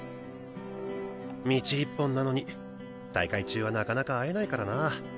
道一本なのに大会中はなかなか会えないからな。